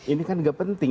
ini kan nggak penting